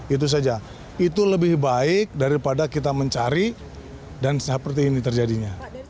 itu saja itu lebih baik daripada kita mencari dan seperti ini terjadinya